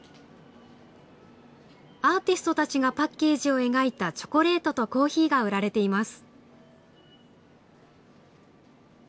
アーティストたちがパッケージを描いたチョコレートとコーヒーが売られています。